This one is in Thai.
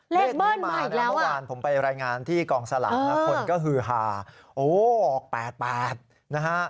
เลขที่มานะครับเมื่อวานผมไปรายงานที่กองสลากนะคนก็ฮือหาโอ้ออก๘๘นะฮะ